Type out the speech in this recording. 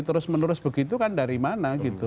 terus menerus begitu kan dari mana gitu